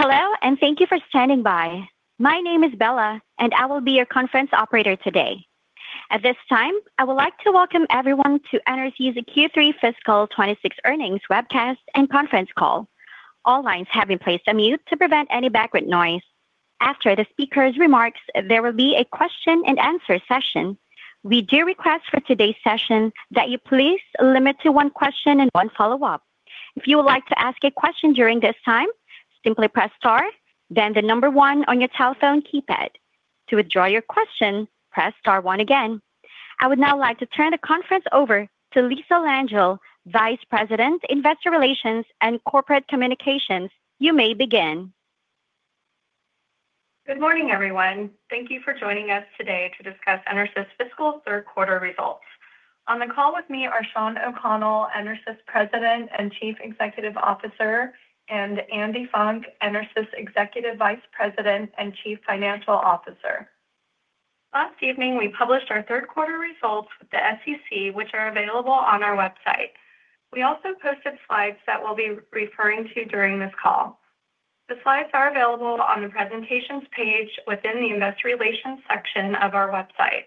Hello, and thank you for standing by. My name is Bella, and I will be your conference operator today. At this time, I would like to welcome everyone to EnerSys's Q3 Fiscal 2026 Earnings Webcast and Conference Call. All lines have been placed on mute to prevent any background noise. After the speaker's remarks, there will be a question and answer session. We do request for today's session that you please limit to one question and one follow-up. If you would like to ask a question during this time, simply press star, then the number 1 on your telephone keypad. To withdraw your question, press star 1 again. I would now like to turn the conference over to Lisa Langell, Vice President, Investor Relations and Corporate Communications. You may begin. Good morning, everyone. Thank you for joining us today to discuss EnerSys's fiscal third quarter results. On the call with me are Shawn O'Connell, EnerSys President and Chief Executive Officer, and Andi Funk, EnerSys Executive Vice President and Chief Financial Officer. Last evening, we published our third quarter results with the SEC, which are available on our website. We also posted slides that we'll be referring to during this call. The slides are available on the Presentations page within the Investor Relations section of our website.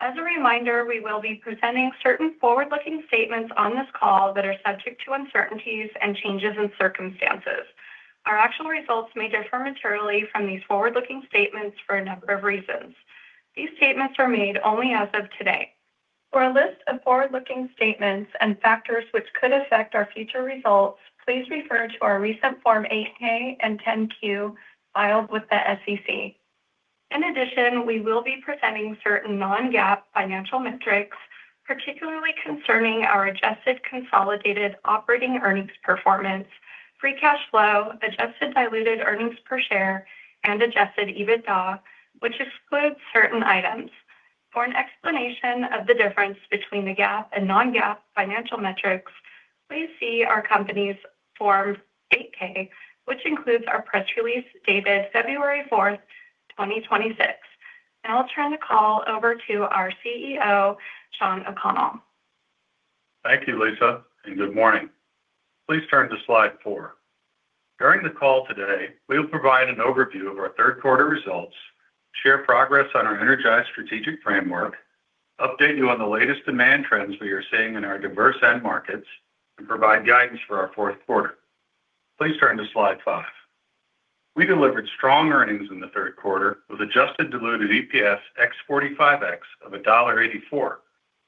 As a reminder, we will be presenting certain forward-looking statements on this call that are subject to uncertainties and changes in circumstances. Our actual results may differ materially from these forward-looking statements for a number of reasons. These statements are made only as of today. For a list of forward-looking statements and factors which could affect our future results, please refer to our recent Form 8-K and 10-Q filed with the SEC. In addition, we will be presenting certain non-GAAP financial metrics, particularly concerning our adjusted consolidated operating earnings performance, Free Cash Flow, adjusted diluted earnings per share, and Adjusted EBITDA, which excludes certain items. For an explanation of the difference between the GAAP and non-GAAP financial metrics, please see our company's Form 8-K, which includes our press release dated February 4, 2026. Now I'll turn the call over to our CEO, Shawn O'Connell. Thank you, Lisa, and good morning. Please turn to slide four. During the call today, we will provide an overview of our third quarter results, share progress on our energized strategic framework, update you on the latest demand trends we are seeing in our diverse end markets, and provide guidance for our fourth quarter. Please turn to slide five. We delivered strong earnings in the third quarter, with adjusted diluted EPS ex 45X of $1.84,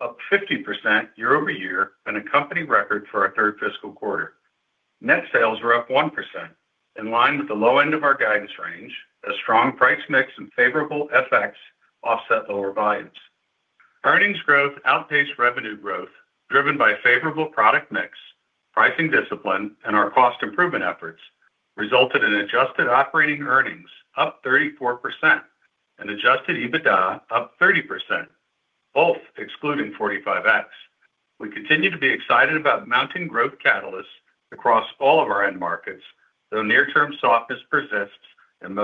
up 50% year-over-year and a company record for our third fiscal quarter. Net sales were up 1%, in line with the low end of our guidance range, as strong price mix and favorable FX offset lower volumes. Earnings growth outpaced revenue growth, driven by favorable product mix, pricing discipline, and our cost improvement efforts, resulted in adjusted operating earnings up 34% and adjusted EBITDA up 30%, both excluding 45X. We continue to be excited about mounting growth catalysts across all of our end markets, though near-term softness persists in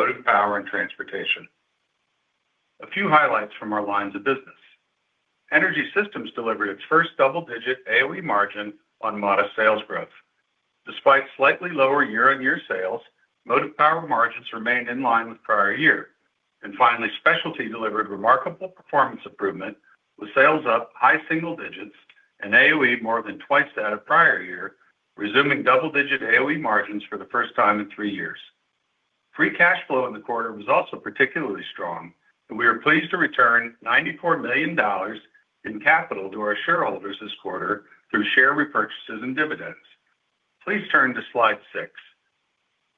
Motive Power Free cash flow in the quarter was also particularly strong, and we are pleased to return $94 million in capital to our shareholders this quarter through share repurchases and dividends. Please turn to slide six.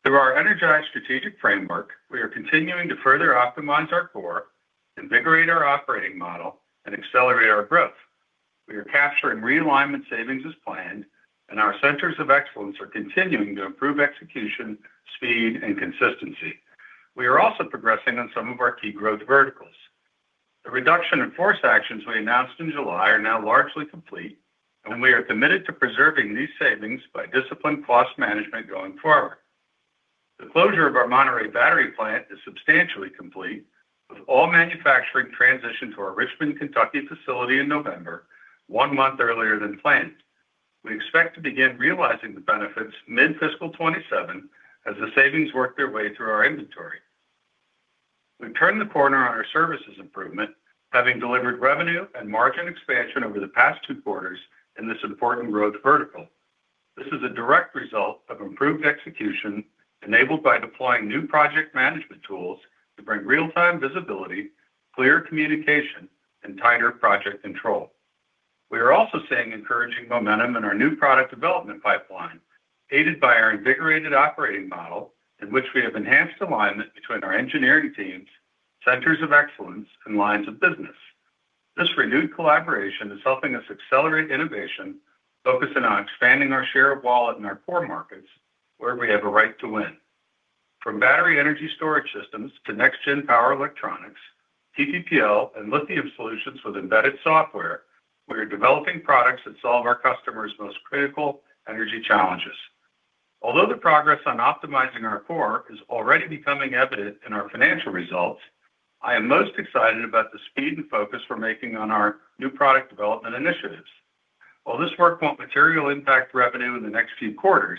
Through our energized strategic framework, we are continuing to further optimize our core, invigorate our operating model, and accelerate our growth. We are capturing realignment savings as planned, and our centers of excellence are continuing to improve execution, speed, and consistency. We are also progressing on some of our key growth verticals. The reduction in force actions we announced in July are now largely complete, and we are committed to preserving these savings by disciplined cost management going forward. The closure of our Monterrey battery plant is substantially complete, with all manufacturing transitioned to our Richmond, Kentucky, facility in November, one month earlier than planned. We expect to begin realizing the benefits mid-fiscal 2027 as the savings work their way through our inventory. We've turned the corner on our services improvement, having delivered revenue and margin expansion over the past two quarters in this important growth vertical. This is a direct result of improved execution, enabled by deploying new project management tools to bring real-time visibility, clear communication, and tighter project control. We are also seeing encouraging momentum in our new product development pipeline, aided by our invigorated operating model, in which we have enhanced alignment between our engineering teams, centers of excellence, and lines of business. This renewed collaboration is helping us accelerate innovation, focusing on expanding our share of wallet in our core markets where we have a right to win. From battery energy storage systems to next-gen power electronics, TPPL and lithium solutions with embedded software, we are developing products that solve our customers' most critical energy challenges. Although the progress on optimizing our core is already becoming evident in our financial results, I am most excited about the speed and focus we're making on our new product development initiatives.... While this work won't materially impact revenue in the next few quarters,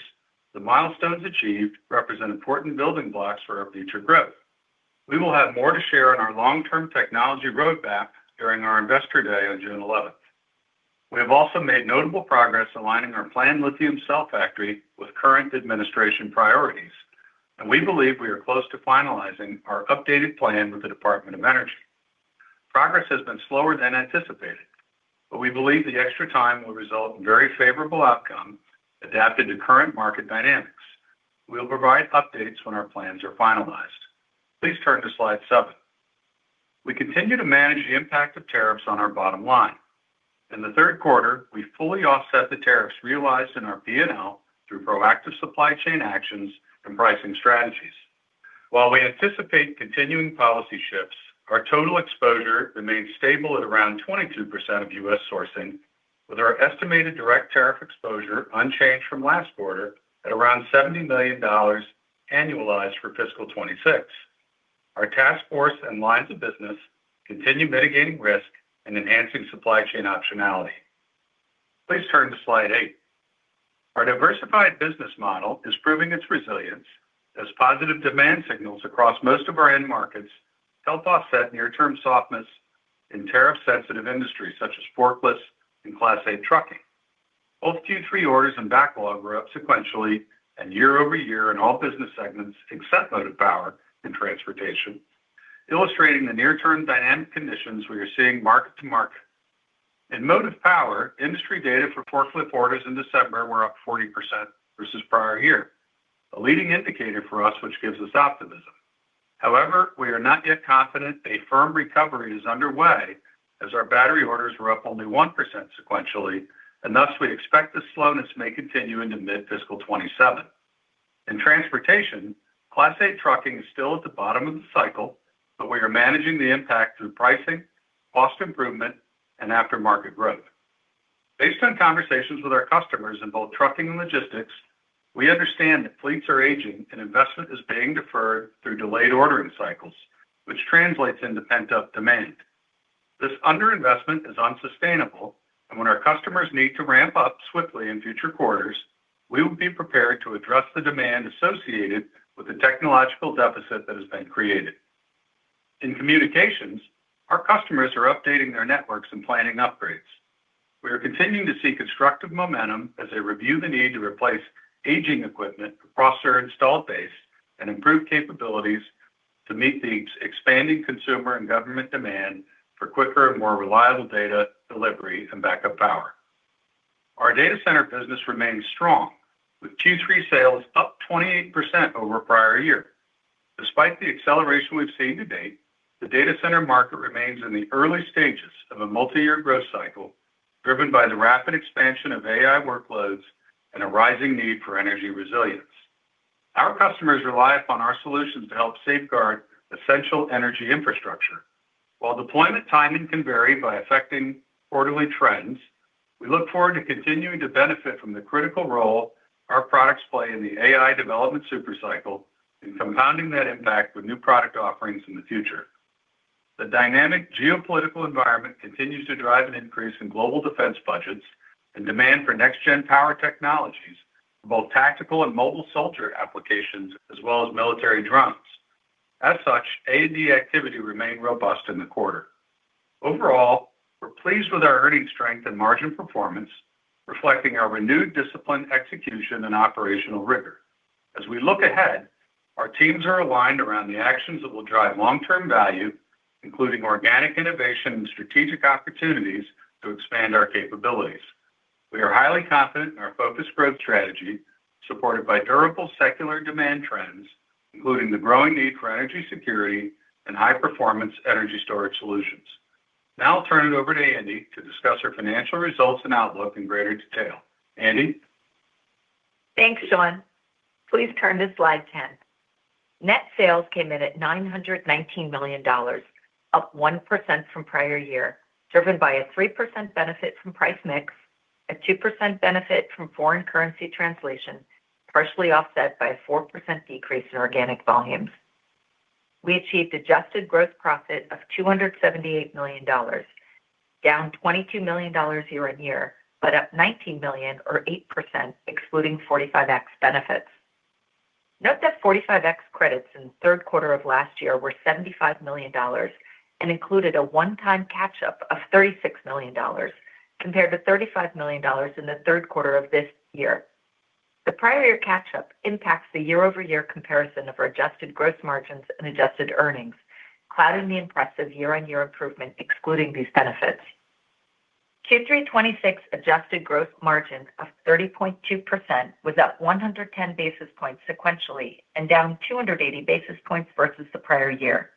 the milestones achieved represent important building blocks for our future growth. We will have more to share on our long-term technology roadmap during our Investor Day on June eleventh. We have also made notable progress aligning our planned lithium cell factory with current administration priorities, and we believe we are close to finalizing our updated plan with the Department of Energy. Progress has been slower than anticipated, but we believe the extra time will result in very favorable outcome adapted to current market dynamics. We'll provide updates when our plans are finalized. Please turn to slide seven. We continue to manage the impact of tariffs on our bottom line. In the third quarter, we fully offset the tariffs realized in our P&L through proactive supply chain actions and pricing strategies. While we anticipate continuing policy shifts, our total exposure remains stable at around 22% of U.S. sourcing, with our estimated direct tariff exposure unchanged from last quarter at around $70 million annualized for fiscal 2026. Our task force and lines of business continue mitigating risk and enhancing supply chain optionality. Please turn to slide eight. Our diversified business model is proving its resilience as positive demand signals across most of our end markets help offset near-term softness in tariff-sensitive industries such as forklifts and Class 8 trucking. Both Q3 orders and backlog were up sequentially and year-over-year in all business segments except Motive power and transportation, illustrating the near-term dynamic conditions we are seeing market to market. In Motive power, industry data for forklift orders in December were up 40% versus prior year, a leading indicator for us, which gives us optimism. However, we are not yet confident a firm recovery is underway as our battery orders were up only 1% sequentially, and thus we expect the slowness may continue into mid-fiscal 2027. In transportation, Class 8 trucking is still at the bottom of the cycle, but we are managing the impact through pricing, cost improvement, and aftermarket growth. Based on conversations with our customers in both trucking and logistics, we understand that fleets are aging and investment is being deferred through delayed ordering cycles, which translates into pent-up demand. This underinvestment is unsustainable, and when our customers need to ramp up swiftly in future quarters, we will be prepared to address the demand associated with the technological deficit that has been created. In communications, our customers are updating their networks and planning upgrades. We are continuing to see constructive momentum as they review the need to replace aging equipment across their installed base and improve capabilities to meet the expanding consumer and government demand for quicker and more reliable data delivery and backup power. Our data center business remains strong, with Q3 sales up 28% over prior year. Despite the acceleration we've seen to date, the data center market remains in the early stages of a multi-year growth cycle, driven by the rapid expansion of AI workloads and a rising need for energy resilience. Our customers rely upon our solutions to help safeguard essential energy infrastructure. While deployment timing can vary by affecting quarterly trends, we look forward to continuing to benefit from the critical role our products play in the AI development super cycle and compounding that impact with new product offerings in the future. The dynamic geopolitical environment continues to drive an increase in global defense budgets and demand for next-gen power technologies for both tactical and mobile soldier applications, as well as military drones. As such, A&D activity remained robust in the quarter. Overall, we're pleased with our earnings strength and margin performance, reflecting our renewed discipline, execution, and operational rigor. As we look ahead, our teams are aligned around the actions that will drive long-term value, including organic innovation and strategic opportunities to expand our capabilities. We are highly confident in our focused growth strategy, supported by durable secular demand trends, including the growing need for energy security and high-performance energy storage solutions. Now I'll turn it over to Andi to discuss our financial results and outlook in greater detail. Andi? Thanks, Shawn. Please turn to slide 10. Net sales came in at $919 million, up 1% from prior year, driven by a 3% benefit from price mix, a 2% benefit from foreign currency translation, partially offset by a 4% decrease in organic volumes. We achieved adjusted gross profit of $278 million, down $22 million year on year, but up $19 million or 8%, excluding 45X benefits. Note that 45X credits in the third quarter of last year were $75 million and included a one-time catch-up of $36 million, compared to $35 million in the third quarter of this year. The prior year catch-up impacts the year-over-year comparison of our adjusted gross margins and adjusted earnings, clouding the impressive year-on-year improvement excluding these benefits. Q3 2026 adjusted gross margins of 30.2% was up 110 basis points sequentially and down 280 basis points versus the prior year.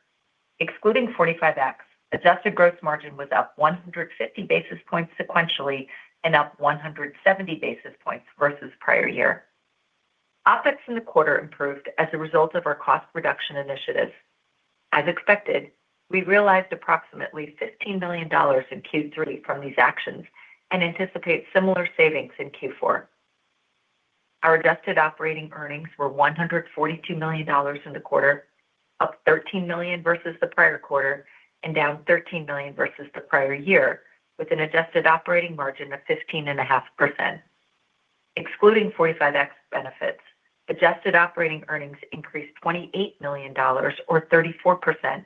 Excluding 45X, adjusted gross margin was up 150 basis points sequentially and up 170 basis points versus prior year. OpEx in the quarter improved as a result of our cost reduction initiatives. As expected, we realized approximately $15 million in Q3 from these actions and anticipate similar savings in Q4.... Our adjusted operating earnings were $142 million in the quarter, up $13 million versus the prior quarter, and down $13 million versus the prior year, with an adjusted operating margin of 15.5%. Excluding 45X benefits, adjusted operating earnings increased $28 million or 34%,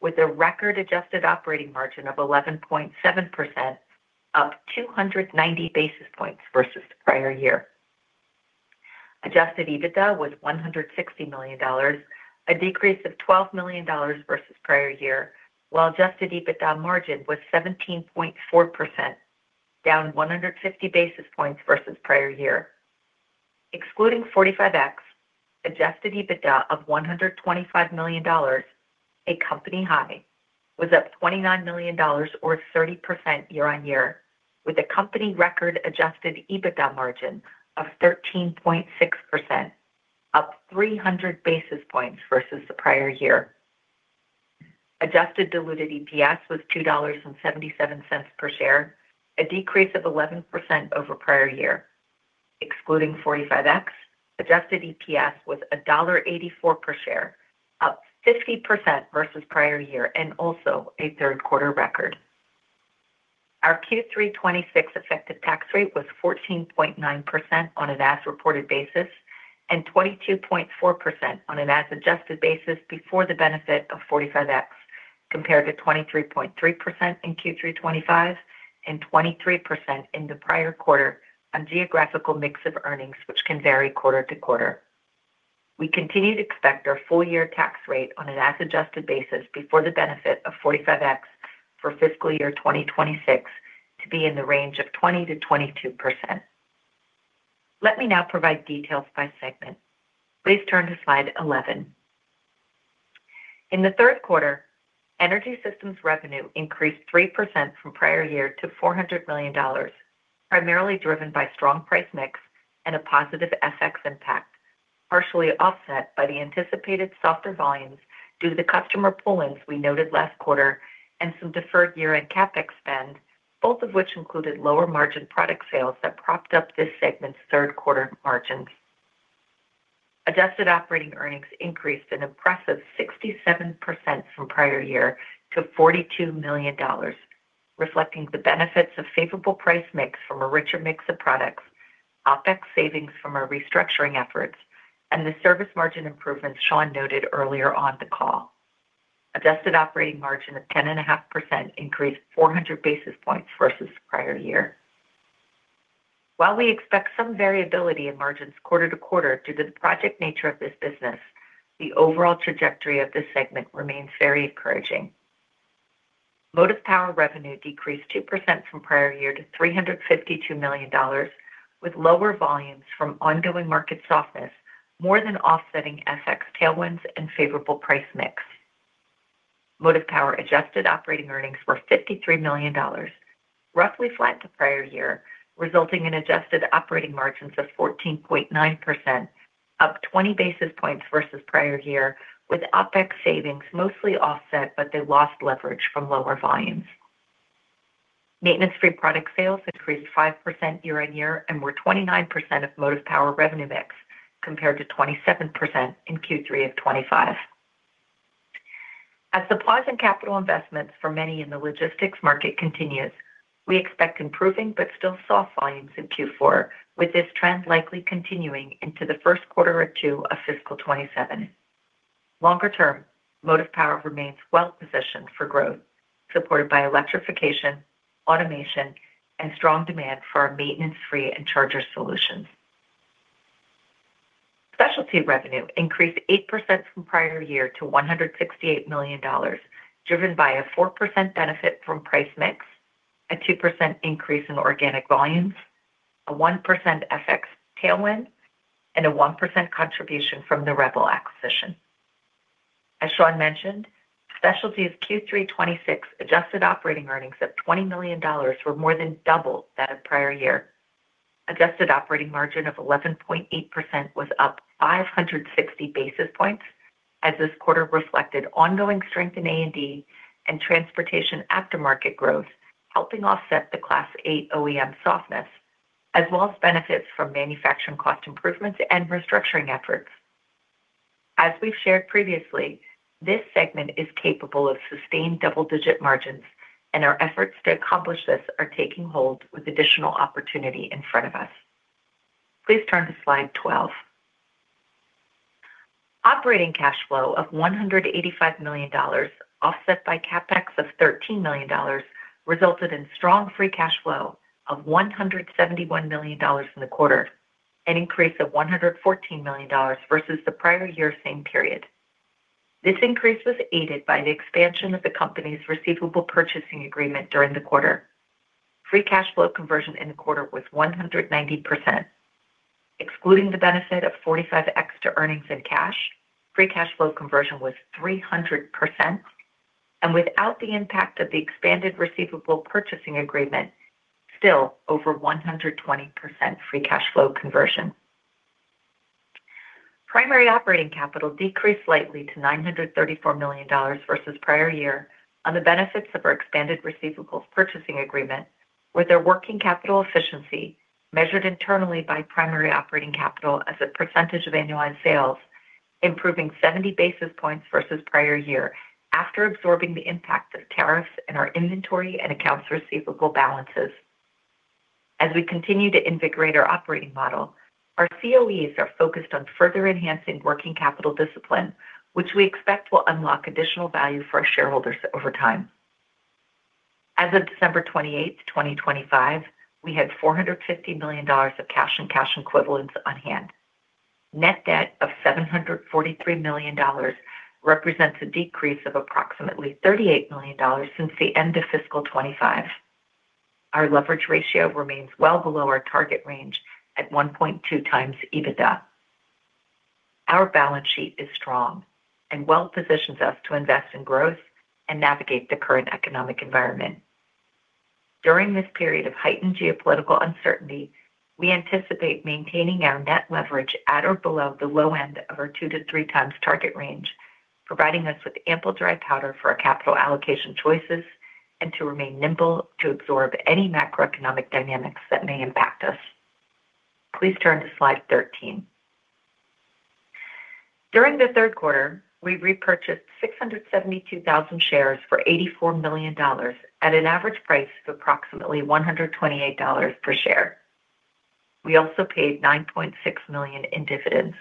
with a record adjusted operating margin of 11.7%, up 290 basis points versus the prior year. Adjusted EBITDA was $160 million, a decrease of $12 million versus prior year, while adjusted EBITDA margin was 17.4%, down 150 basis points versus prior year. Excluding 45X, adjusted EBITDA of $125 million, a company high, was up $29 million or 30% year-on-year, with a company record adjusted EBITDA margin of 13.6%, up 300 basis points versus the prior year. Adjusted diluted EPS was $2.77 per share, a decrease of 11% over prior year. Excluding 45X, adjusted EPS was $1.84 per share, up 50% versus prior year, and also a third quarter record. Our Q3 2026 effective tax rate was 14.9% on an as-reported basis and 22.4% on an as-adjusted basis before the benefit of 45X, compared to 23.3% in Q3 2025 and 23% in the prior quarter on geographical mix of earnings, which can vary quarter to quarter. We continue to expect our full year tax rate on an as-adjusted basis before the benefit of 45X for fiscal year 2026 to be in the range of 20%-22%. Let me now provide details by segment. Please turn to slide 11. In the third quarter, Energy Systems revenue increased 3% from prior year to $400 million, primarily driven by strong price mix and a positive FX impact, partially offset by the anticipated softer volumes due to the customer pull-ins we noted last quarter and some deferred year-end CapEx spend, both of which included lower margin product sales that propped up this segment's third quarter margins. Adjusted operating earnings increased an impressive 67% from prior year to $42 million, reflecting the benefits of favorable price mix from a richer mix of products, OpEx savings from our restructuring efforts, and the service margin improvements Sean noted earlier on the call. Adjusted operating margin of 10.5% increased 400 basis points versus the prior year. While we expect some variability in margins quarter to quarter due to the project nature of this business, the overall trajectory of this segment remains very encouraging. Motive power revenue decreased 2% from prior year to $352 million, with lower volumes from ongoing market softness, more than offsetting FX tailwinds and favorable price mix. Motive power adjusted operating earnings were $53 million, roughly flat to prior year, resulting in adjusted operating margins of 14.9%, up 20 basis points versus prior year, with OpEx savings mostly offset, but they lost leverage from lower volumes. Maintenance-free product sales increased 5% year on year and were 29% of Motive power revenue mix, compared to 27% in Q3 of 2025. As supplies and capital investments for many in the logistics market continues, we expect improving but still soft volumes in Q4, with this trend likely continuing into the first quarter or two of fiscal 2027. Longer term, Motive Power remains well positioned for growth, supported by electrification, automation, and strong demand for our maintenance-free and charger solutions. Specialty revenue increased 8% from prior year to $168 million, driven by a 4% benefit from price mix, a 2% increase in organic volumes, a 1% FX tailwind, and a 1% contribution from the Rebel acquisition. As Sean mentioned, Specialty's Q3 2026 adjusted operating earnings of $20 million were more than double that of prior year. Adjusted operating margin of 11.8% was up 560 basis points, as this quarter reflected ongoing strength in A&D and transportation aftermarket growth, helping offset the Class 8 OEM softness, as well as benefits from manufacturing cost improvements and restructuring efforts. As we've shared previously, this segment is capable of sustained double-digit margins, and our efforts to accomplish this are taking hold with additional opportunity in front of us. Please turn to slide 12. Operating cash flow of $185 million, offset by CapEx of $13 million, resulted in strong free cash flow of $171 million in the quarter, an increase of $114 million versus the prior year same period. This increase was aided by the expansion of the company's receivable purchasing agreement during the quarter. Free cash flow conversion in the quarter was 190%. Excluding the benefit of 45X to earnings and cash, free cash flow conversion was 300%, and without the impact of the expanded receivable purchasing agreement, still over 120% free cash flow conversion. Primary operating capital decreased slightly to $934 million versus prior year on the benefits of our expanded receivables purchasing agreement, with our working capital efficiency measured internally by primary operating capital as a percentage of annualized sales, improving 70 basis points versus prior year, after absorbing the impact of tariffs in our inventory and accounts receivable balances. As we continue to invigorate our operating model, our COEs are focused on further enhancing working capital discipline, which we expect will unlock additional value for our shareholders over time. As of December 28, 2025, we had $450 million of cash and cash equivalents on hand. Net debt of $743 million represents a decrease of approximately $38 million since the end of fiscal 2025. Our leverage ratio remains well below our target range at 1.2x EBITDA. Our balance sheet is strong and well positions us to invest in growth and navigate the current economic environment. During this period of heightened geopolitical uncertainty, we anticipate maintaining our net leverage at or below the low end of our 2x-3x target range, providing us with ample dry powder for our capital allocation choices and to remain nimble to absorb any macroeconomic dynamics that may impact us. Please turn to slide 13. During the third quarter, we repurchased 672,000 shares for $84 million at an average price of approximately $128 per share. We also paid $9.6 million in dividends.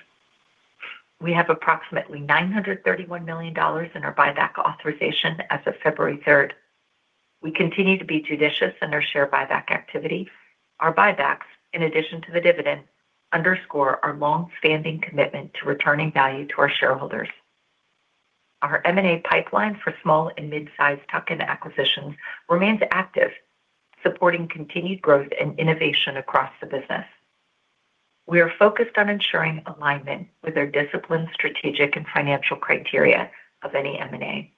We have approximately $931 million in our buyback authorization as of February 3rd. We continue to be judicious in our share buyback activity. Our buybacks, in addition to the dividend, underscore our long-standing commitment to returning value to our shareholders. Our M&A pipeline for small and mid-sized tuck-in acquisitions remains active, supporting continued growth and innovation across the business. We are focused on ensuring alignment with our disciplined, strategic, and financial criteria of any M&A.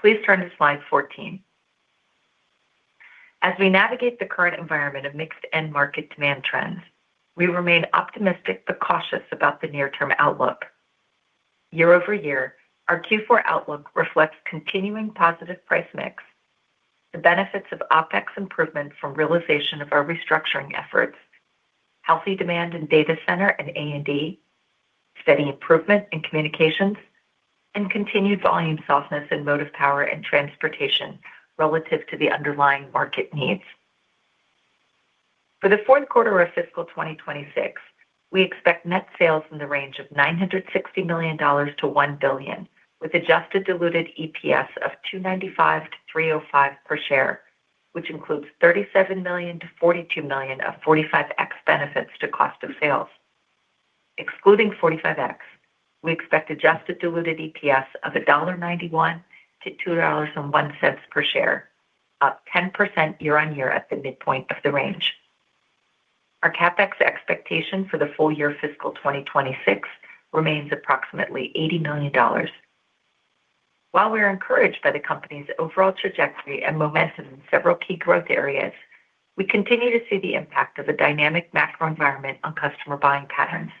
Please turn to slide 14. As we navigate the current environment of mixed end market demand trends, we remain optimistic but cautious about the near-term outlook. Year-over-year, our Q4 outlook reflects continuing positive price mix, the benefits of OpEx improvement from realization of our restructuring efforts, healthy demand in data center and A&D, steady improvement in communications, and continued volume softness in Motive power and transportation relative to the underlying market needs. For the fourth quarter of fiscal 2026, we expect net sales in the range of $960 million-$1 billion, with adjusted diluted EPS of 2.95-3.05 per share, which includes $37 million-$42 million of 45X benefits to cost of sales. Excluding 45X, we expect adjusted diluted EPS of $1.91-$2.01 per share, up 10% year-on-year at the midpoint of the range. Our CapEx expectation for the full year fiscal 2026 remains approximately $80 million. While we are encouraged by the company's overall trajectory and momentum in several key growth areas, we continue to see the impact of a dynamic macro environment on customer buying patterns.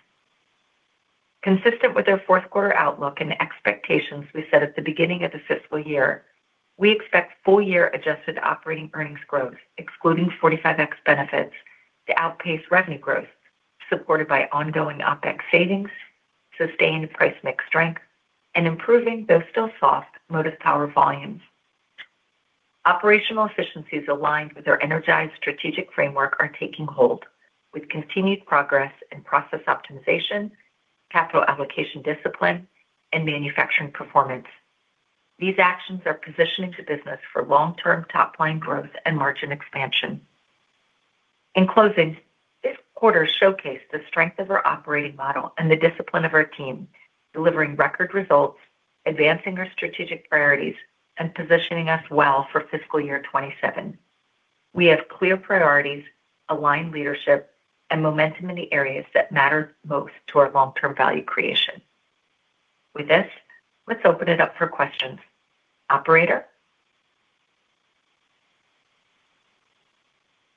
Consistent with our fourth quarter outlook and expectations we set at the beginning of the fiscal year, we expect full year adjusted operating earnings growth, excluding 45X benefits, to outpace revenue growth, supported by ongoing OpEx savings, sustained price mix strength, and improving, though still soft, Motive power volumes. Operational efficiencies aligned with our energized strategic framework are taking hold, with continued progress in process optimization, capital allocation discipline, and manufacturing performance. These actions are positioning the business for long-term top-line growth and margin expansion. In closing, this quarter showcased the strength of our operating model and the discipline of our team, delivering record results, advancing our strategic priorities, and positioning us well for fiscal year 2027. We have clear priorities, aligned leadership, and momentum in the areas that matter most to our long-term value creation. With this, let's open it up for questions. Operator?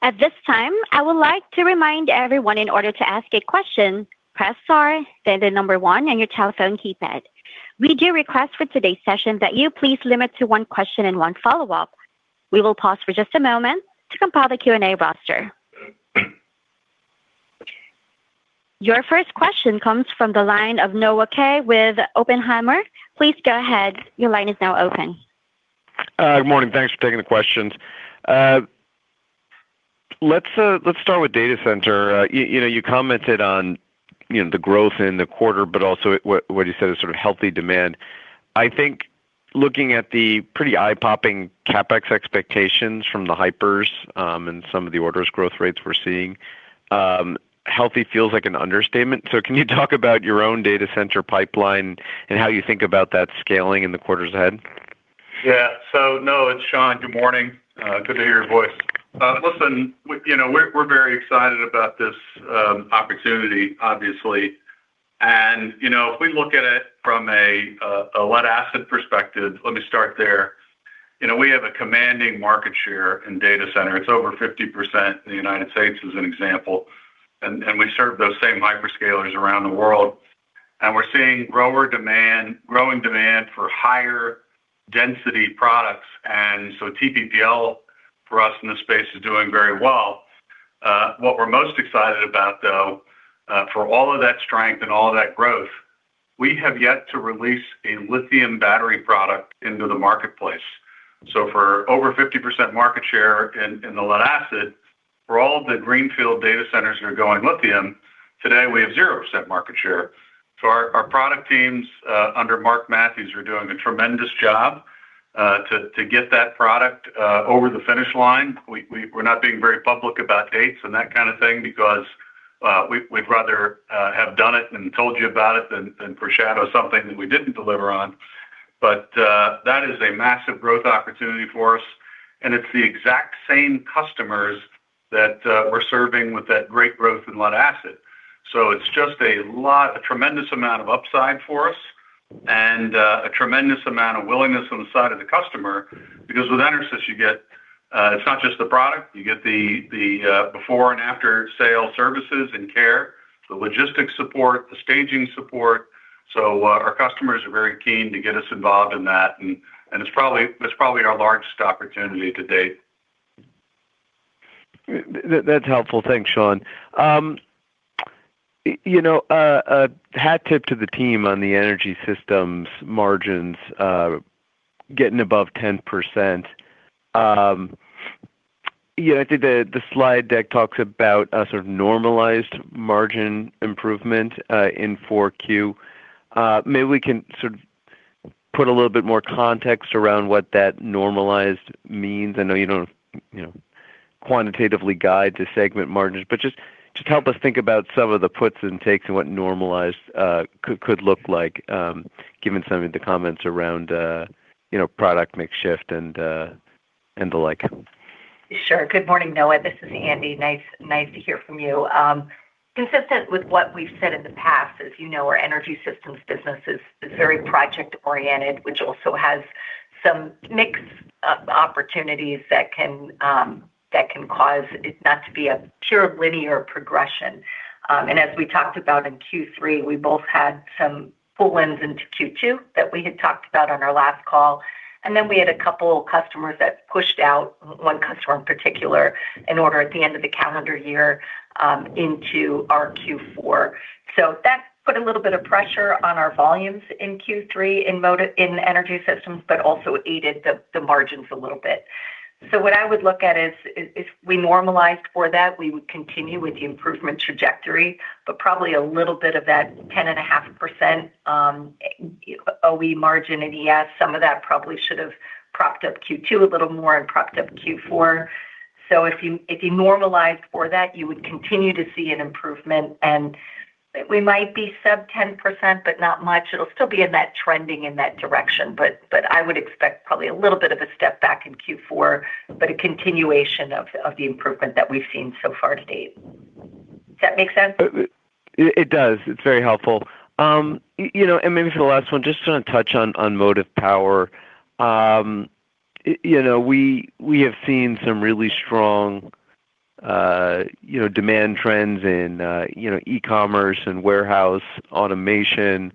At this time, I would like to remind everyone in order to ask a question, press star, then the number one on your telephone keypad. We do request for today's session that you please limit to one question and one follow-up. We will pause for just a moment to compile the Q&A roster. Your first question comes from the line of Noah Kaye with Oppenheimer. Please go ahead. Your line is now open. Good morning. Thanks for taking the questions. Let's start with data center. You know, you commented on, you know, the growth in the quarter, but also what you said is sort of healthy demand. I think looking at the pretty eye-popping CapEx expectations from the hypers, and some of the orders growth rates we're seeing, healthy feels like an understatement. So can you talk about your own data center pipeline and how you think about that scaling in the quarters ahead? Yeah. So no, it's Shawn. Good morning. Good to hear your voice. Listen, we—you know, we're, we're very excited about this opportunity, obviously. And, you know, if we look at it from a lead asset perspective, let me start there. You know, we have a commanding market share in data center. It's over 50% in the United States, as an example, and we serve those same hyperscalers around the world. And we're seeing growing demand for higher density products, and so TPPL, for us in this space, is doing very well. What we're most excited about, though, for all of that strength and all of that growth, we have yet to release a lithium battery product into the marketplace. So for over 50% market share in the lead acid, for all the greenfield data centers that are going lithium, today, we have 0% market share. So our product teams under Mark Matthews are doing a tremendous job to get that product over the finish line. We're not being very public about dates and that kind of thing because we'd rather have done it and told you about it than foreshadow something that we didn't deliver on. But that is a massive growth opportunity for us, and it's the exact same customers that we're serving with that great growth in lead acid. So it's just a lot, a tremendous amount of upside for us and a tremendous amount of willingness on the side of the customer, because with EnerSys, you get it's not just the product, you get the before and after-sale services and care, the logistics support, the staging support. So our customers are very keen to get us involved in that, and it's probably our largest opportunity to date. That's helpful. Thanks, Shawn. You know, a hat tip to the team on the Energy Systems margins getting above 10%. Yeah, I think the slide deck talks about a sort of normalized margin improvement in 4Q. Maybe we can sort of put a little bit more context around what that normalized means. I know you don't, you know, quantitatively guide to segment margins, but just help us think about some of the puts and takes and what normalized could look like, given some of the comments around, you know, product mix shift and the like. Sure. Good morning, Noah. This is Andi. Nice, nice to hear from you. Consistent with what we've said in the past, as you know, our Energy Systems business is, is very project-oriented, which also has some mix of opportunities that can, that can cause it not to be a pure linear progression. And as we talked about in Q3, we both had some pull-ins into Q2 that we had talked about on our last call, and then we had a couple of customers that pushed out, one customer in particular, an order at the end of the calendar year, into our Q4. So that put a little bit of pressure on our volumes in Q3, in Energy Systems, but also aided the, the margins a little bit. So what I would look at is if we normalized for that, we would continue with the improvement trajectory, but probably a little bit of that 10.5%, OE margin in ES, some of that probably should have propped up Q2 a little more and propped up Q4. So if you normalized for that, you would continue to see an improvement, and we might be sub-10%, but not much. It'll still be in that trending in that direction, but I would expect probably a little bit of a step back in Q4, but a continuation of the improvement that we've seen so far to date. Does that make sense? It does. It's very helpful. You know, and maybe for the last one, just want to touch on Motive Power. You know, we have seen some really strong, you know, demand trends in, you know, e-commerce and warehouse automation,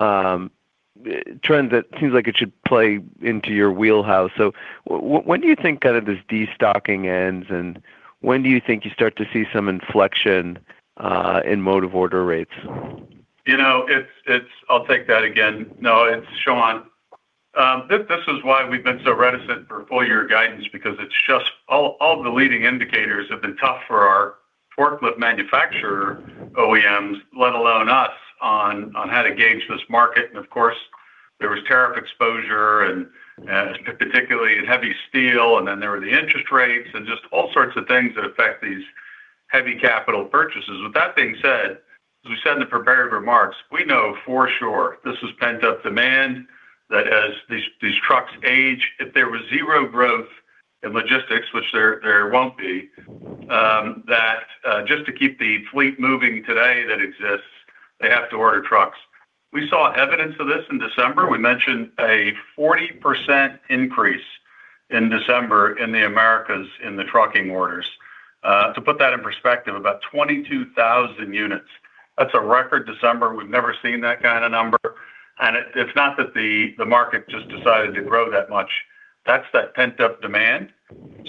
trends that seems like it should play into your wheelhouse. So when do you think kind of this destocking ends, and when do you think you start to see some inflection in Motive order rates? You know, it's... I'll take that again. Noah, it's Shawn. This is why we've been so reticent for full year guidance, because it's just all the leading indicators have been tough for our forklift manufacturer OEMs, let alone us, on how to gauge this market. And of course, there was tariff exposure and particularly in heavy steel, and then there were the interest rates and just all sorts of things that affect these heavy capital purchases. With that being said, as we said in the prepared remarks, we know for sure this is pent-up demand, that as these trucks age, if there was zero growth in logistics, which there won't be, that just to keep the fleet moving today that exists, they have to order trucks. We saw evidence of this in December. We mentioned a 40% increase in December in the Americas, in the trucking orders. To put that in perspective, about 22,000 units. That's a record December. We've never seen that kind of number, and it's not that the, the market just decided to grow that much. That's that pent-up demand.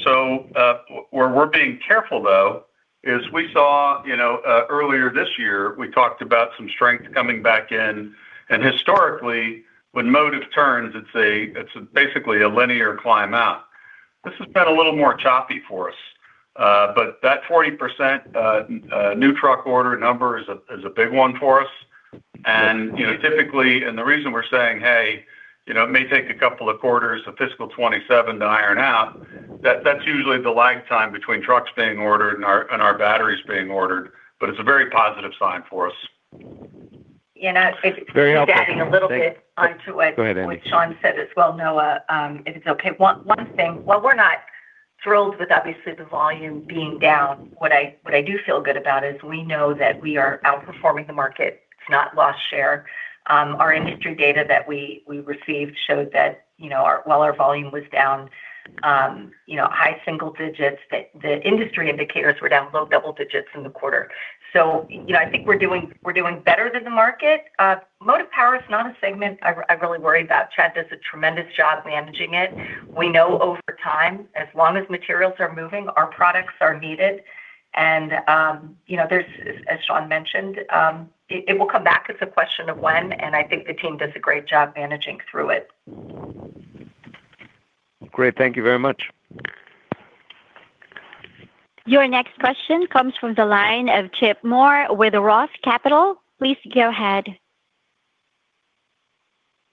So, where we're being careful, though, is we saw, you know, earlier this year, we talked about some strength coming back in, and historically, when Motive turns, it's basically a linear climb out. This has been a little more choppy for us, but that 40%, new truck order number is a, is a big one for us. You know, typically, and the reason we're saying, "Hey, you know, it may take a couple of quarters of fiscal 2027 to iron out," that's usually the lag time between trucks being ordered and our, and our batteries being ordered, but it's a very positive sign for us. You know, if- Very helpful. just adding a little bit onto what Go ahead, Andi. Shawn said as well, Noah, if it's okay. One thing, well, we're not thrilled with obviously the volume being down. What I do feel good about is we know that we are outperforming the market. It's not lost share. Our industry data that we received showed that, you know, our—while our volume was down, you know, high single digits, that the industry indicators were down low double digits in the quarter. So, you know, I think we're doing better than the market. Motive power is not a segment I really worry about. Chad does a tremendous job managing it. We know over time, as long as materials are moving, our products are needed, and, you know, there's, as Sean mentioned, it will come back. It's a question of when, and I think the team does a great job managing through it. Great. Thank you very much. Your next question comes from the line of Chip Moore with Roth Capital. Please go ahead.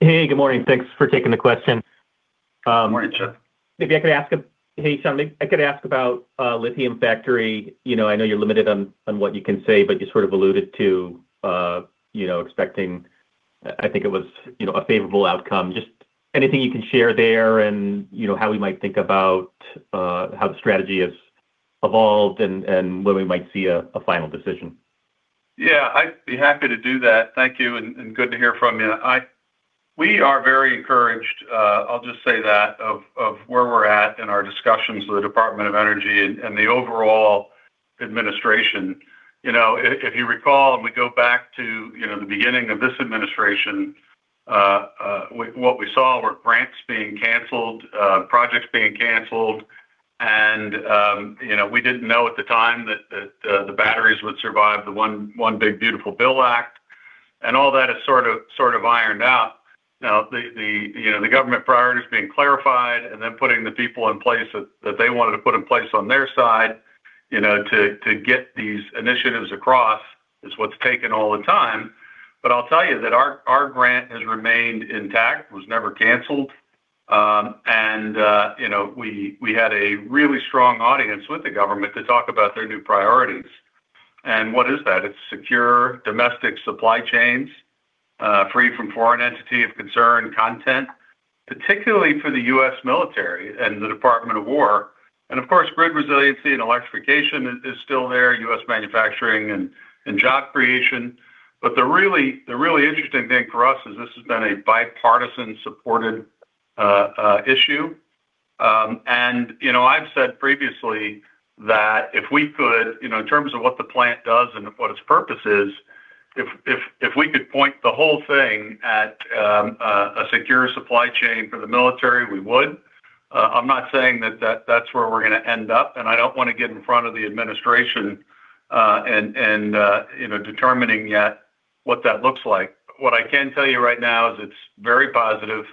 Hey, good morning. Thanks for taking the question. Good morning, Chip. Maybe I could ask—Hey, Shawn, I could ask about the lithium factory. You know, I know you're limited on what you can say, but you sort of alluded to, you know, expecting, I think it was, a favorable outcome. Just anything you can share there and, you know, how we might think about how the strategy has evolved and when we might see a final decision. Yeah, I'd be happy to do that. Thank you, and, and good to hear from you. I—we are very encouraged, I'll just say that, of, of where we're at in our discussions with the Department of Energy and, and the overall administration. You know, if, if you recall, we go back to, you know, the beginning of this administration, what, what we saw were grants being canceled, projects being canceled, and, you know, we didn't know at the time that the, the batteries would survive the One, One Big Beautiful Bill Act, and all that is sort of, sort of ironed out. Now, the, the, you know, the government priorities being clarified and then putting the people in place that, that they wanted to put in place on their side, you know, to, to get these initiatives across is what's taken all the time. But I'll tell you that our grant has remained intact, was never canceled. You know, we had a really strong audience with the government to talk about their new priorities. And what is that? It's secure domestic supply chains, free from foreign entity of concern content, particularly for the U.S. military and the Department of War. And of course, grid resiliency and electrification is still there, U.S. manufacturing and job creation. But the really interesting thing for us is this has been a bipartisan-supported issue. You know, I've said previously that if we could, you know, in terms of what the plant does and what its purpose is, if we could point the whole thing at a secure supply chain for the military, we would. I'm not saying that that's where we're gonna end up, and I don't want to get in front of the administration, and you know, determining yet what that looks like. What I can tell you right now is it's very positive.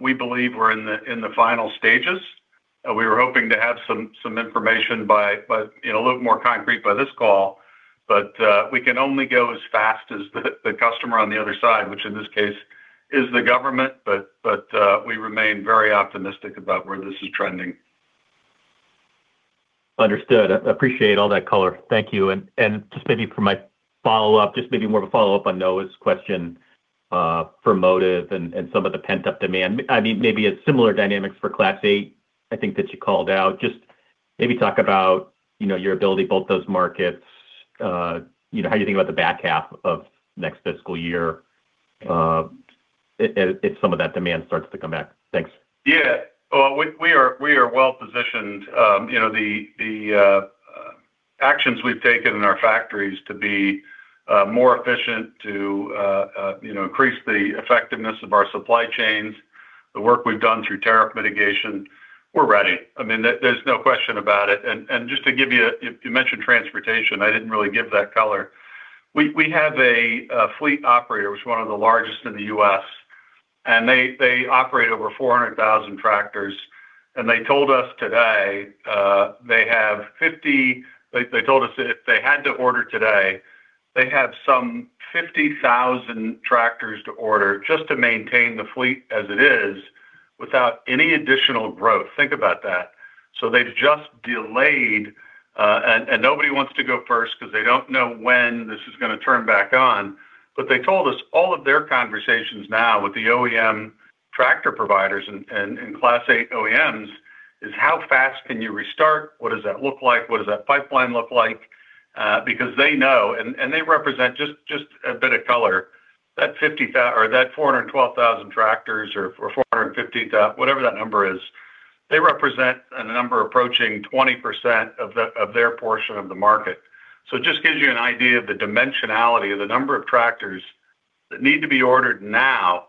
We believe we're in the final stages. We were hoping to have some information by you know, a little more concrete by this call, but we can only go as fast as the customer on the other side, which in this case is the government, but we remain very optimistic about where this is trending. Understood. I appreciate all that color. Thank you. And just maybe for my follow-up, just maybe more of a follow-up on Noah's question, for Motive and some of the pent-up demand. I mean, maybe it's similar dynamics for Class 8, I think that you called out. Just maybe talk about, you know, your ability, both those markets, you know, how you think about the back half of next fiscal year, if some of that demand starts to come back. Thanks. Yeah. Well, we are well-positioned. You know, the actions we've taken in our factories to be more efficient, you know, to increase the effectiveness of our supply chains, the work we've done through tariff mitigation, we're ready. I mean, there's no question about it. And just to give you... You mentioned transportation. I didn't really give that color. We have a fleet operator, which is one of the largest in the U.S., and they operate over 400,000 tractors, and they told us today, they have fifty-- they told us if they had to order today, they have some 50,000 tractors to order just to maintain the fleet as it is without any additional growth. Think about that. So they've just delayed, and nobody wants to go first because they don't know when this is gonna turn back on. But they told us all of their conversations now with the OEM tractor providers and Class 8 OEMs is how fast can you restart? What does that look like? What does that pipeline look like? Because they know, and they represent just a bit of color, that 50,000 or that 412,000 tractors or 450,000, whatever that number is, they represent a number approaching 20% of their portion of the market. So it just gives you an idea of the dimensionality of the number of tractors that need to be ordered now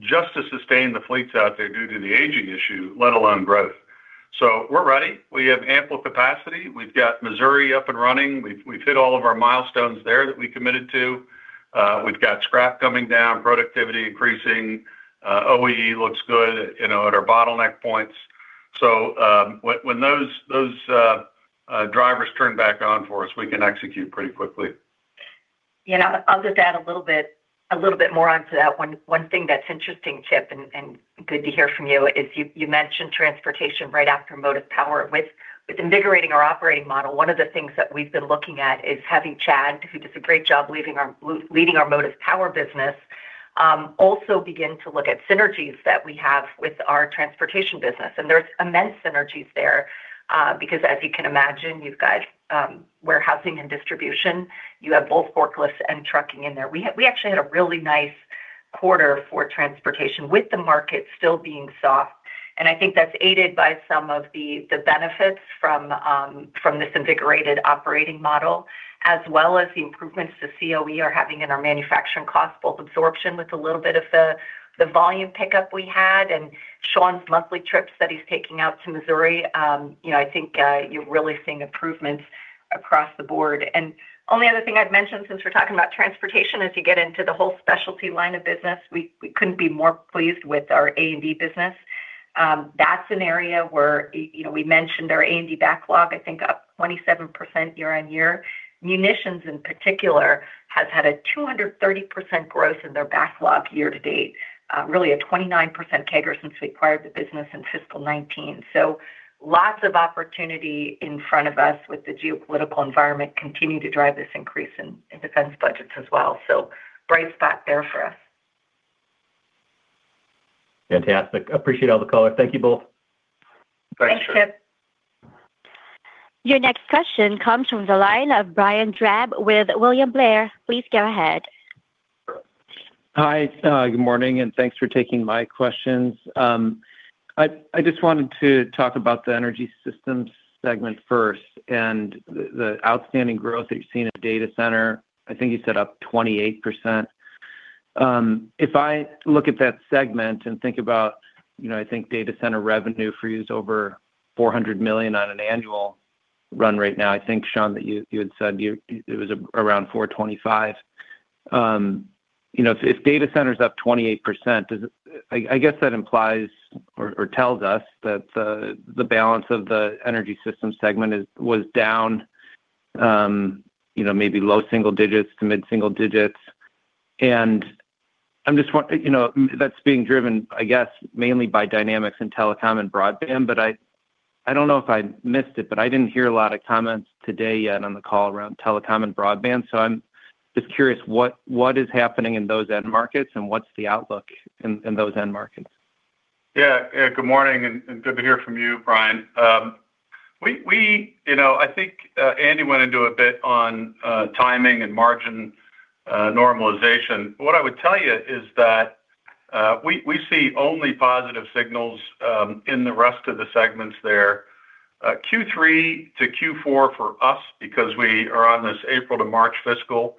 just to sustain the fleets out there due to the aging issue, let alone growth. So we're ready. We have ample capacity. We've got Missouri up and running. We've hit all of our milestones there that we committed to. We've got scrap coming down, productivity increasing, OEE looks good, you know, at our bottleneck points. So, when those drivers turn back on for us, we can execute pretty quickly. Yeah, and I'll just add a little bit, a little bit more onto that one. One thing that's interesting, Chip, and, and good to hear from you, is you, you mentioned transportation right after Motive power. With, with invigorating our operating model, one of the things that we've been looking at is having Chad, who does a great job leading our Motive power business, also begin to look at synergies that we have with our transportation business. And there's immense synergies there, because as you can imagine, you've got warehousing and distribution. You have both forklifts and trucking in there. We actually had a really nice quarter for transportation, with the market still being soft, and I think that's aided by some of the, the benefits from, from this invigorated operating model, as well as the improvements to OEE are having in our manufacturing costs, both absorption, with a little bit of the, the volume pickup we had, and Shawn's monthly trips that he's taking out to Missouri. You know, I think, you're really seeing improvements across the board. And only other thing I'd mention, since we're talking about transportation, as you get into the whole specialty line of business, we, we couldn't be more pleased with our A&D business. That's an area where, you know, we mentioned our A&D backlog, I think, up 27% year-over-year. Munitions, in particular, has had a 230% growth in their backlog year to date. Really a 29% CAGR since we acquired the business in fiscal 2019. So lots of opportunity in front of us with the geopolitical environment, continuing to drive this increase in defense budgets as well. So bright spot there for us. Fantastic. Appreciate all the color. Thank you both. Thanks, Chip. Your next question comes from the line of Brian Drab with William Blair. Please go ahead. Hi, good morning, and thanks for taking my questions. I just wanted to talk about the Energy Systems segment first and the outstanding growth that you've seen at data center. I think you said up 28%. If I look at that segment and think about, you know, I think data center revenue for you is over $400 million on an annual run rate now. I think, Shawn, that you had said you-- it was around $425. You know, if data center's up 28%, is it-- I guess that implies or tells us that the balance of the energy system segment was down, you know, maybe low single digits to mid single digits. I'm just wondering, you know, that's being driven, I guess, mainly by dynamics and telecom and broadband, but I don't know if I missed it, but I didn't hear a lot of comments today yet on the call around telecom and broadband. So I'm just curious, what is happening in those end markets, and what's the outlook in those end markets? Yeah. Good morning, and good to hear from you, Brian. We you know, I think, Andi went into a bit on timing and margin normalization. What I would tell you is that we see only positive signals in the rest of the segments there. Q3 to Q4 for us, because we are on this April to March fiscal,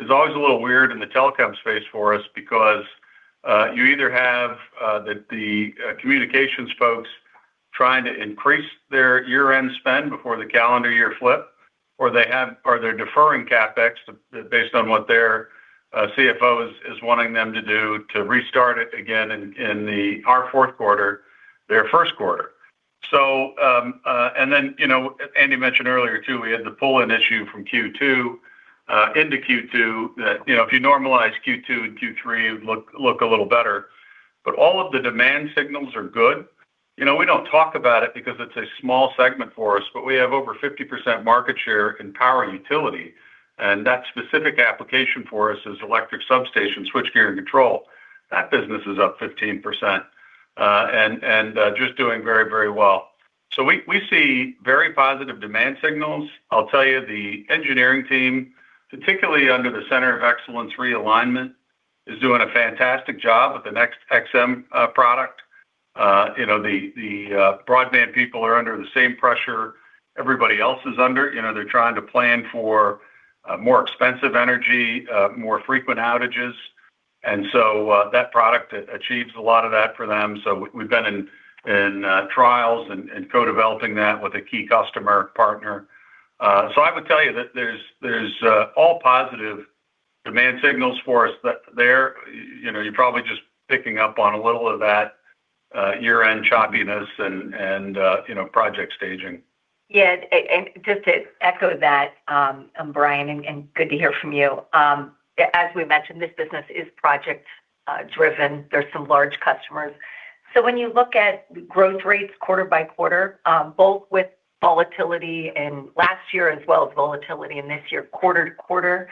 is always a little weird in the telecom space for us because you either have the communications folks trying to increase their year-end spend before the calendar year flip, or they have or they're deferring CapEx based on what their CFO is wanting them to do, to restart it again in our fourth quarter, their first quarter. You know, Andy mentioned earlier, too, we had the pull-in issue from Q2 into Q2, that, you know, if you normalize Q2 and Q3, it would look a little better. But all of the demand signals are good. You know, we don't talk about it because it's a small segment for us, but we have over 50% market share in power utility, and that specific application for us is electric substation, switchgear, and control. That business is up 15%, and just doing very, very well. So we see very positive demand signals. I'll tell you, the engineering team, particularly under the Center of Excellence Realignment, is doing a fantastic job with the Alpha XM product. You know, the broadband people are under the same pressure everybody else is under. You know, they're trying to plan for more expensive energy, more frequent outages, and so that product achieves a lot of that for them. So we've been in trials and co-developing that with a key customer partner. So I would tell you that there's all positive demand signals for us there. You know, you're probably just picking up on a little of that, year-end choppiness and, you know, project staging. Yeah, and just to echo that, Brian, and good to hear from you. As we mentioned, this business is project driven. There are some large customers. So when you look at growth rates quarter-over-quarter, both with volatility and last year as well as volatility in this year, quarter-over-quarter,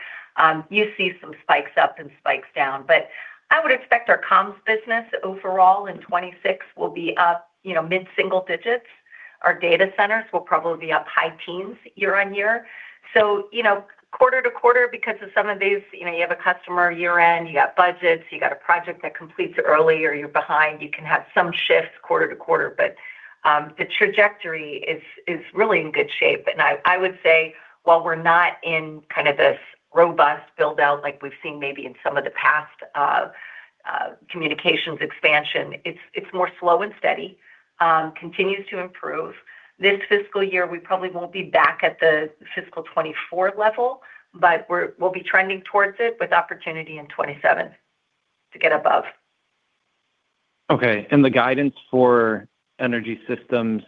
you see some spikes up and spikes down. But I would expect our comms business overall in 2026 will be up, you know, mid-single digits. Our data centers will probably be up high teens year-over-year. So, you know, quarter-over-quarter, because of some of these, you know, you have a customer year-end, you got budgets, you got a project that completes early or you're behind, you can have some shifts quarter-over-quarter, but the trajectory is really in good shape. And I, I would say while we're not in kind of this robust build-out like we've seen maybe in some of the past, communications expansion, it's, it's more slow and steady, continues to improve. This fiscal year, we probably won't be back at the fiscal 2024 level, but we're, we'll be trending towards it with opportunity in 2027 to get above. Okay. And the guidance for Energy Systems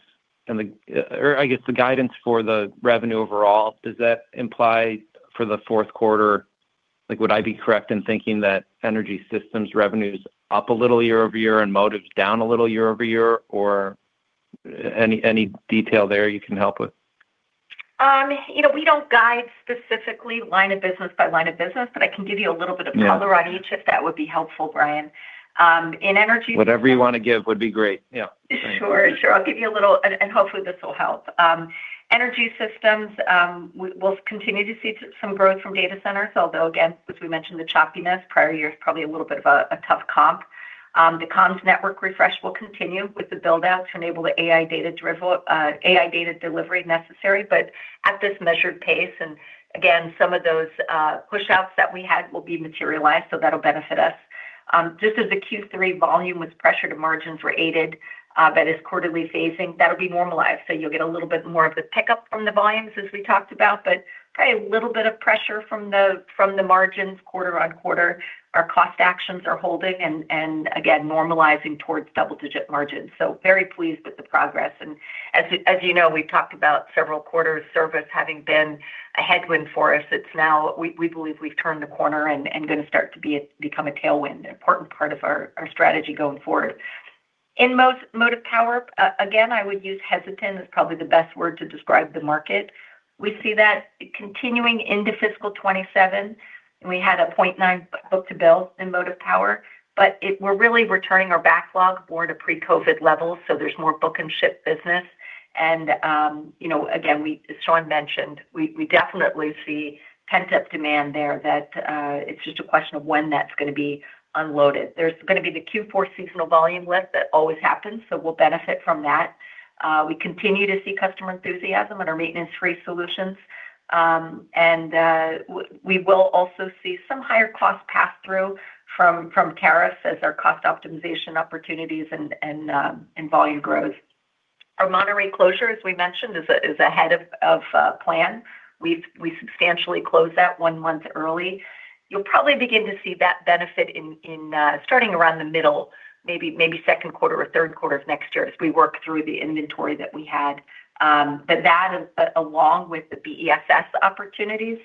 and the... Or I guess the guidance for the revenue overall, does that imply for the fourth quarter? Like, would I be correct in thinking that Energy Systems revenue is up a little year-over-year and Motive's down a little year-over-year, or any, any detail there you can help with?... You know, we don't guide specifically line of business by line of business, but I can give you a little bit of color- Yeah. -on each, if that would be helpful, Brian. In energy- Whatever you want to give would be great. Yeah. Sure, sure. I'll give you a little, and hopefully this will help. Energy Systems, we'll continue to see some growth from data centers, although again, as we mentioned, the choppiness, prior year is probably a little bit of a tough comp. The comms network refresh will continue with the build-out to enable the AI data delivery necessary, but at this measured pace. And again, some of those pushouts that we had will be materialized, so that'll benefit us. Just as the Q3 volume was pressured and margins were aided, but it's quarterly phasing, that'll be normalized. So you'll get a little bit more of the pickup from the volumes, as we talked about, but probably a little bit of pressure from the margins quarter on quarter. Our cost actions are holding and again, normalizing towards double-digit margins. So very pleased with the progress. And as you know, we've talked about several quarters service having been a headwind for us. It's now. We believe we've turned the corner and going to start to be a-- become a tailwind, an important part of our strategy going forward. In Motive power, again, I would use hesitant is probably the best word to describe the market. We see that continuing into fiscal 2027, and we had a 0.9 book to bill in Motive power, but we're really returning our backlog more to pre-COVID levels, so there's more book and ship business. And, you know, again, we as Shawn mentioned, we definitely see pent-up demand there that it's just a question of when that's going to be unloaded. There's going to be the Q4 seasonal volume lift that always happens, so we'll benefit from that. We continue to see customer enthusiasm in our maintenance-free solutions. And we will also see some higher cost pass-through from tariffs as our cost optimization opportunities and volume growth. Our Monterrey closure, as we mentioned, is ahead of plan. We've substantially closed that one month early. You'll probably begin to see that benefit in starting around the middle, maybe second quarter or third quarter of next year as we work through the inventory that we had. But that, along with the BESS opportunities,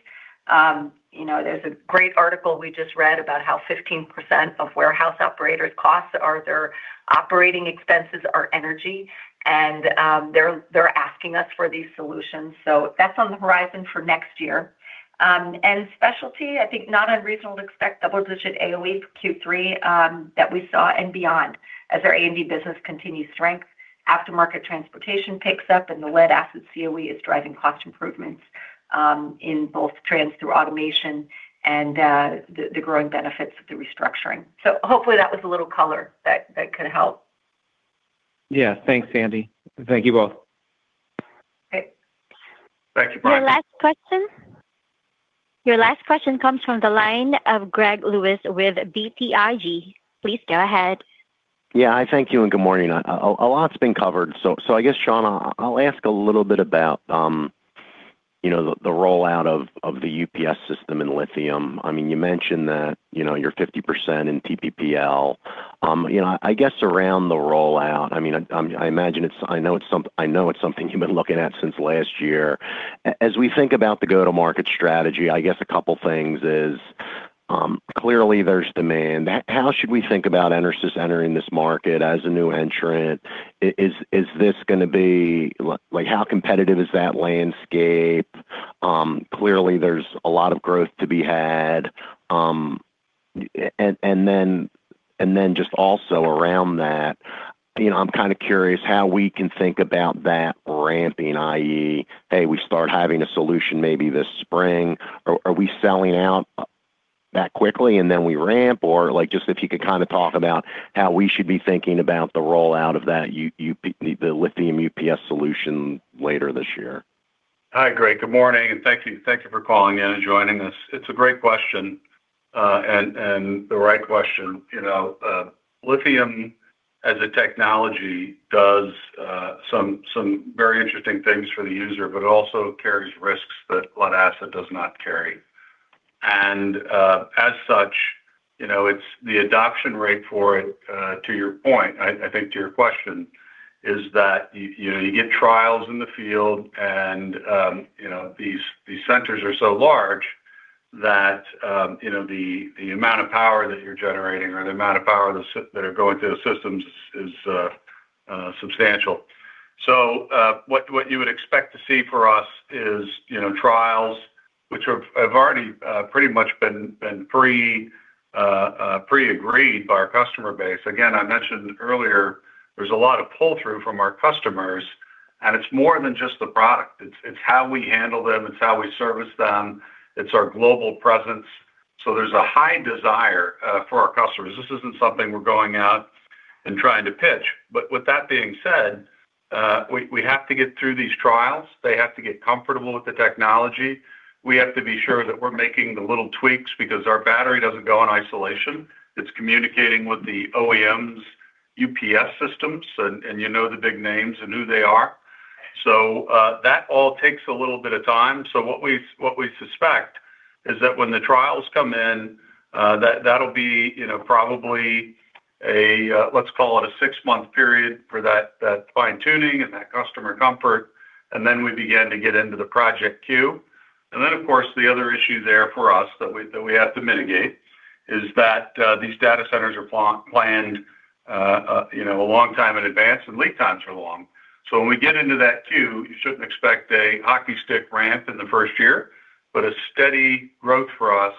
you know, there's a great article we just read about how 15% of warehouse operators' costs are their operating expenses are energy, and they're asking us for these solutions. So that's on the horizon for next year. And specialty, I think not unreasonable to expect double-digit AOE for Q3, that we saw and beyond, as our A&D business continues strength, aftermarket transportation picks up, and the lead acid COE is driving cost improvements, in both trends through automation and, the growing benefits of the restructuring. So hopefully that was a little color that could help. Yeah. Thanks, Andi. Thank you both. Great. Thank you, Brian. Your last question. Your last question comes from the line of Greg Lewis with BTIG. Please go ahead. Yeah. Thank you, and good morning. A lot's been covered, so I guess, Sean, I'll ask a little bit about, you know, the rollout of the UPS system in lithium. I mean, you mentioned that, you know, you're 50% in TPPL. You know, I guess around the rollout, I mean, I imagine it's something you've been looking at since last year. As we think about the go-to-market strategy, I guess a couple things is, clearly there's demand. How should we think about EnerSys entering this market as a new entrant? Is this gonna be... Like, how competitive is that landscape? Clearly, there's a lot of growth to be had. And then just also around that, you know, I'm kind of curious how we can think about that ramping, i.e., hey, we start having a solution maybe this spring. Are we selling out that quickly, and then we ramp? Or, like, just if you could kind of talk about how we should be thinking about the rollout of that the lithium UPS solution later this year. Hi, Greg. Good morning, and thank you, thank you for calling in and joining us. It's a great question, and, and the right question. You know, lithium as a technology does, some, some very interesting things for the user, but it also carries risks that lead acid does not carry. And, as such, you know, it's the adoption rate for it, to your point, I, I think to your question, is that you know, you get trials in the field and, you know, these, these centers are so large that, you know, the, the amount of power that you're generating or the amount of power that's, that are going through the systems is, substantial. So, what you would expect to see for us is, you know, trials which have already pretty much been pre-agreed by our customer base. Again, I mentioned earlier, there's a lot of pull-through from our customers, and it's more than just the product. It's how we handle them, it's how we service them, it's our global presence. So there's a high desire for our customers. This isn't something we're going out and trying to pitch. But with that being said, we have to get through these trials. They have to get comfortable with the technology. We have to be sure that we're making the little tweaks because our battery doesn't go on isolation. It's communicating with the OEM's UPS systems, and you know the big names and who they are. So, that all takes a little bit of time. So what we suspect is that when the trials come in, that, that'll be, you know, probably a, let's call it a six-month period for that fine-tuning and that customer comfort, and then we begin to get into the project queue. And then, of course, the other issue there for us that we have to mitigate is that these data centers are planned, you know, a long time in advance, and lead times are long. So when we get into that queue, you shouldn't expect a hockey stick ramp in the first year, but a steady growth for us,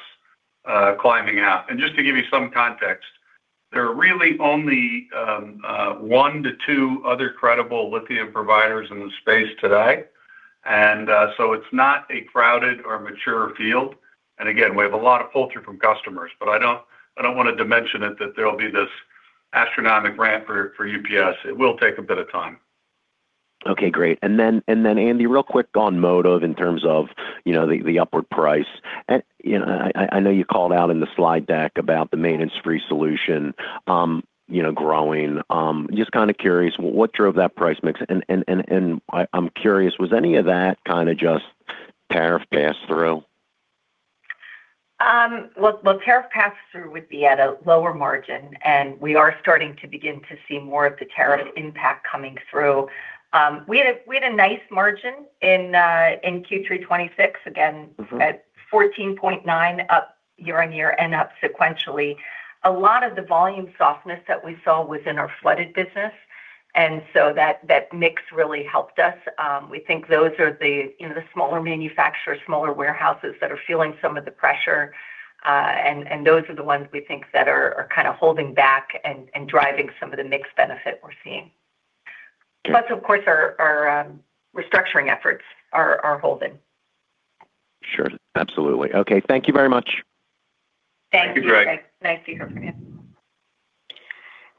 climbing out. And just to give you some context, there are really only one to two other credible lithium providers in the space today. So it's not a crowded or mature field. Again, we have a lot of pull through from customers, but I don't, I don't want to dimension it, that there'll be this astronomic ramp for, for UPS. It will take a bit of time. Okay, great. And then, Andi, real quick on Motive in terms of, you know, the upward price. And, you know, I know you called out in the slide deck about the maintenance-free solution, you know, growing. Just kind of curious, what drove that price mix? And I'm curious, was any of that kind of just tariff pass-through? Well, tariff pass-through would be at a lower margin, and we are starting to begin to see more of the tariff impact coming through. We had a nice margin in Q3 2026, again, at 14.9%, up year-on-year and up sequentially. A lot of the volume softness that we saw was in our flooded business, and so that mix really helped us. We think those are the, you know, the smaller manufacturers, smaller warehouses that are feeling some of the pressure, and those are the ones we think that are kind of holding back and driving some of the mix benefit we're seeing. Plus, of course, our restructuring efforts are holding. Sure. Absolutely. Okay. Thank you very much. Thank you, Greg. Thank you, Greg. Nice to hear from you.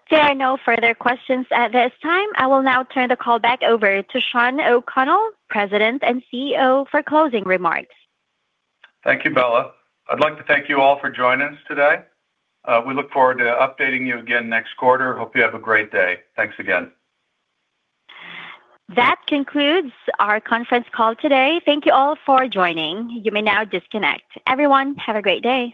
There are no further questions at this time. I will now turn the call back over to Shawn O'Connell, President and CEO, for closing remarks. Thank you, Bella. I'd like to thank you all for joining us today. We look forward to updating you again next quarter. Hope you have a great day. Thanks again. That concludes our conference call today. Thank you all for joining. You may now disconnect. Everyone, have a great day.